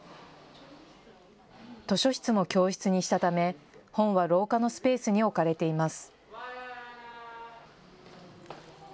図書室も教室にしたため本は廊下のスペースに置かれています。